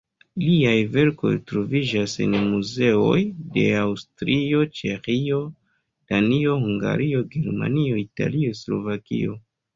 Liaj verkoj troviĝas en muzeoj de Aŭstrio, Ĉeĥio, Danio, Hungario, Germanio, Italio, Slovakio.